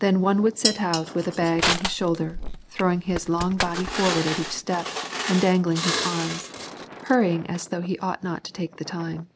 Then one would set out with a bag on his shoulder, throwing his long body forward at each step and dangling his arms, hurrying as though he ought not to take the time.